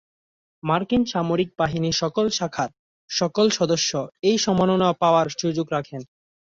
মার্কিন সামরিক বাহিনীর সকল শাখার, সকল সদস্য এই সম্মাননা পাওয়ার সুযোগ রাখেন।